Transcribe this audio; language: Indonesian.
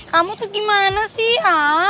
kamu tuh gimana sih